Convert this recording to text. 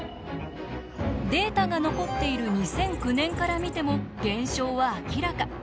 データが残っている２００９年から見ても減少は明らか。